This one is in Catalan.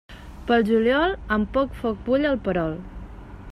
Pel juliol, amb poc foc bull el perol.